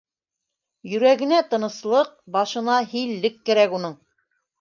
Йөрәгенә тыныслыҡ, башына һиллек кәрәк уның.